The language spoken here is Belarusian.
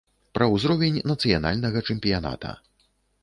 Пра узровень нацыянальнага чэмпіяната.